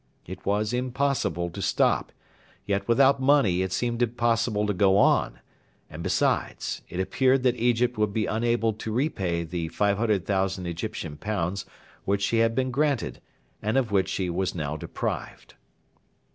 It was impossible to stop; yet without money it seemed impossible to go on; and, besides, it appeared that Egypt would be unable to repay the £E500,000 which she had been granted, and of which she was now deprived.